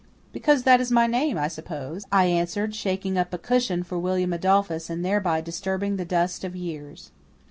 "Because that is my name, I suppose," I answered, shaking up a cushion for William Adolphus and thereby disturbing the dust of years.